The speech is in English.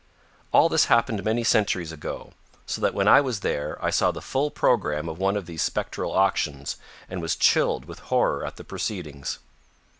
All this happened many centuries ago, so that when I was there I saw the full program of one of these spectral auctions and was chilled with horror at the proceedings.